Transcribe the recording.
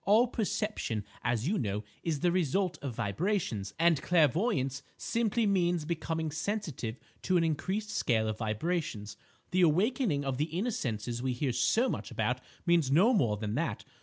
"All perception, as you know, is the result of vibrations; and clairvoyance simply means becoming sensitive to an increased scale of vibrations. The awakening of the inner senses we hear so much about means no more than that.